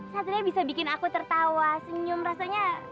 satunya bisa bikin aku tertawa senyum rasanya